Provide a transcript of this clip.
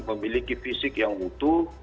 memiliki fisik yang utuh